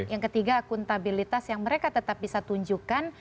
yang ketiga akuntabilitas yang mereka tetap bisa tunjukkan